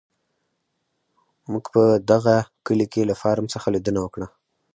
موږ په دغه کلي کې له فارم څخه لیدنه وکړه.